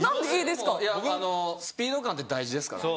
いやあのスピード感って大事ですからね。